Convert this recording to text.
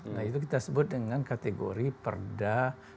nah itu kita sebut dengan kategori perda